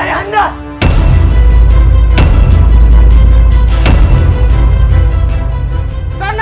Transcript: ayah anda sudah diserang